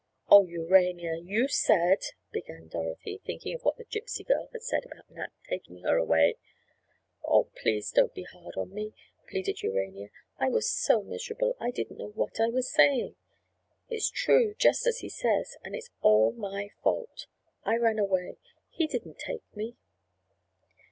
"Oh, Urania! You said—" began Dorothy, thinking of what the Gypsy girl had said about Nat taking her away. "Oh, please don't be hard on me," pleaded Urania. "I was so miserable I didn't know what I was saying. It's true, just as he says, and it's all my fault. I ran away. He didn't take me."